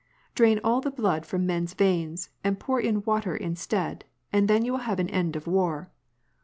"Drain all the blood from men's veins and pour in water instead, and then you will have an end of war